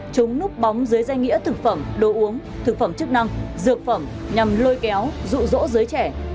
chúng núp bóng dưới danh nghĩa thực phẩm đồ uống thực phẩm chức năng dược phẩm nhằm lôi kéo rụ rỗ giới trẻ